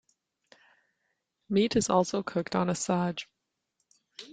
Meat is also cooked on a "saj".